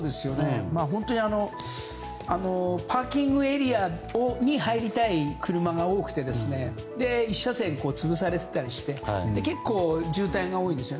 本当にパーキングエリアに入りたい車が多くて１車線潰されたりしていて結構渋滞が多いんですよ。